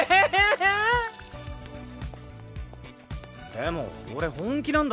でも俺本気なんだぜ。